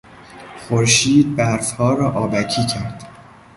خورشید برفها را آبکی کرد.